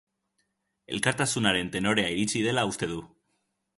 Elkartasunaren tenorea iritxi dela uste du.